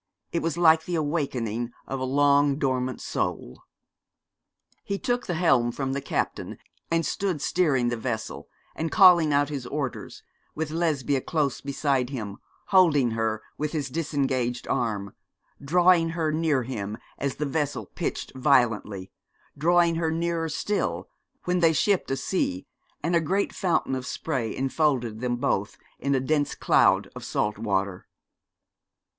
It was like the awakening of a long dormant soul. He took the helm from the captain and stood steering the vessel, and calling out his orders, with Lesbia close beside him, holding her with his disengaged arm, drawing her near him as the vessel pitched violently, drawing her nearer still when they shipped a sea, and a great fountain of spray enfolded them both in a dense cloud of salt water.